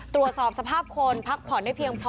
ตรวจสอบสภาพคนพักผ่อนได้เพียงพอ